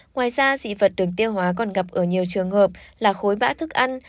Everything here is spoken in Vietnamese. ngoài ra dị vật đường tiêu hóa còn gặp ở nhiều trường hợp là khối bã thức ăn